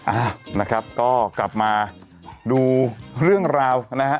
อ้าวนะครับก็กลับมาดูเรื่องราวนะฮะ